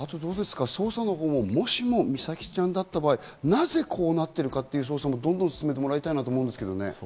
捜査のほうももし美咲ちゃんだった場合、なぜこうなっているかという捜査もどんどん進めてもらいたいなと思いますけどね。